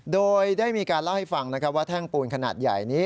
โดยได้มีการเล่าให้ฟังนะครับว่าแท่งปูนขนาดใหญ่นี้